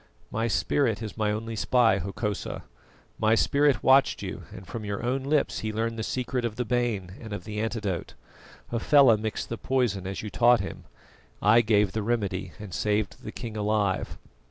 "My spirit is my only spy, Hokosa. My spirit watched you, and from your own lips he learned the secret of the bane and of the antidote. Hafela mixed the poison as you taught him; I gave the remedy, and saved the king alive."